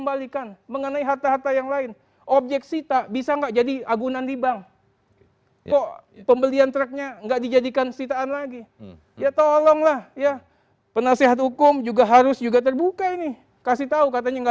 bahkan melakukan perbuatan perbuatan yang annoying